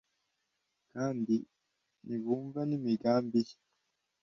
kandi ntibumva n’imigambi ye